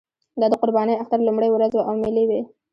دا د قربانۍ اختر لومړۍ ورځ وه او مېلې وې.